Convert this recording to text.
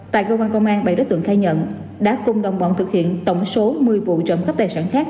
tại cơ quan công an bảy đối tượng khai nhận đã cùng đồng bọn thực hiện tổng số một mươi vụ trộm khắp tài sản khác